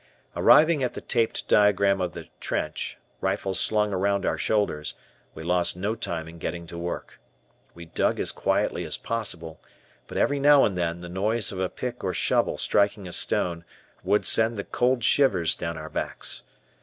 Arriving at the taped diagram of the trench, rifles slung around our shoulders, we lost no time in getting to work. We dug as quietly as possible, but every now and then, the noise of a pick or shovel striking a stone, would send the cold shivers down our backs.